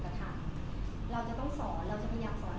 เราจะต้องช่วยเหลือเดี๋ยวยานทั้งผู้ทิกระทำและผู้ถูกกระทำ